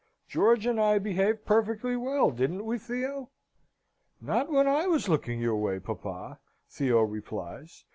"George and I behaved perfectly well, didn't we, Theo?" "Not when I was looking your way, papa!" Theo replies.